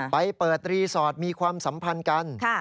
ไปเปิดรีสอร์ทมีความสัมพันธ์กัน